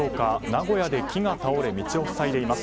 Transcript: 名古屋で木が倒れ道を塞いでいます。